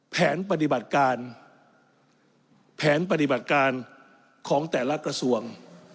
แผนปฏิบัติการแผนปฏิบัติการของแต่ละกระทรวง